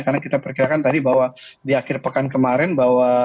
karena kita perkirakan tadi bahwa di akhir pekan kemarin bahwa